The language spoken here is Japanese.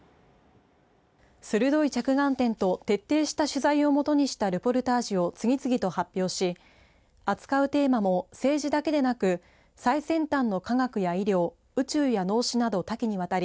鋭い着眼点と徹底した取材を基にしたルポルタージュを次々と発表し扱うテーマも政治だけでなく最先端の科学や医療宇宙や脳死など多岐にわたり